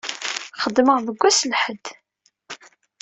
Xeddmeɣ deg wass n Lḥedd.